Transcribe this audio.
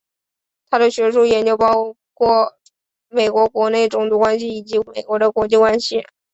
他的学术研究主要包括美国国内种族关系以及美国的国际关系。